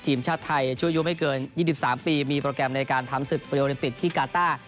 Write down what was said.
ทีมชาติไทยช่วยยุ่มให้เกิน๒๓ปีมีโปรแกรมในการทำศึกประโยนิปิกที่กาตา